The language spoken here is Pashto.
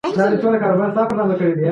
دا د الله تعالی نافرمانۍ دي.